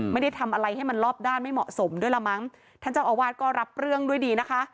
ไม่ได้ทำอะไรให้มันรอบด้านไม่เหมาะสมด้วยละมั้งท่านเจ้าอาวาสก็รับเรื่องด้วยดีนะคะ